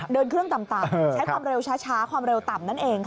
เดินเครื่องต่ำใช้ความเร็วช้าความเร็วต่ำนั่นเองค่ะ